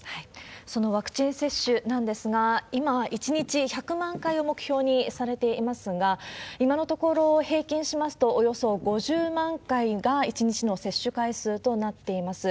そのワクチン接種なんですが、今、１日１００万回を目標にされていますが、今のところ平均しますと、およそ５０万回が１日の接種回数となっています。